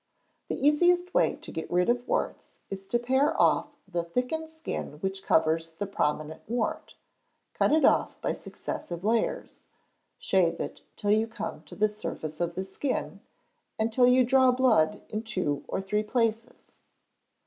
The easiest way to get rid of warts is to pare off the thickened skin which covers the prominent wart; cut it off by successive layers; shave it till you come to the surface of the skin, and till you draw blood in two or three places.